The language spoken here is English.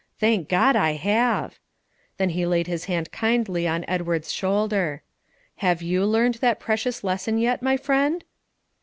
Thank God, I have." Then he laid his hand kindly on Edward's shoulder. "Have you learned that precious lesson yet, my friend?"